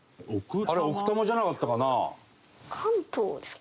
あれ奥多摩じゃなかったかな？